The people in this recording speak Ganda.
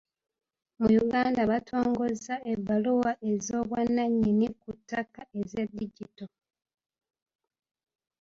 Mu Uganda batongozza ebbaluwa ez'obwannannyini ku ttaka eza digito.